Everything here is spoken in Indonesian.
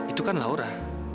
itu kan laura